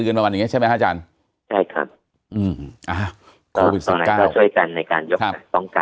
แล้วก็รักตัวเองเยอะรักสมาชิกในครอบครัวป้องกันตัวเองเสมอ